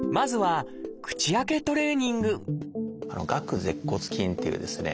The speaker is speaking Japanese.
まずは「顎舌骨筋」っていうですね